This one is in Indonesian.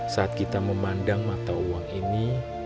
saat kita memandang mata uang ini